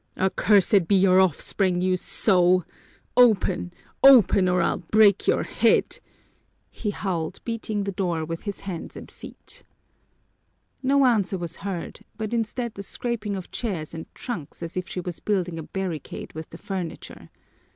"Accursed be your offspring, you sow! Open, open, or I'll break your head!" he howled, beating the door with his hands and feet. No answer was heard, but instead the scraping of chairs and trunks as if she was building a barricade with the furniture.